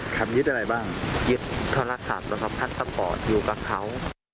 คำยึดอะไรบ้างยึดโทรศัพท์พลาสปอร์ตอยู่กับเขา